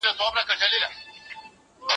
یو ناڅاپه یې ور پام سو کښتی وان ته